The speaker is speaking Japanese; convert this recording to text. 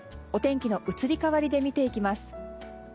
お天気の移り変わりで見ていきます。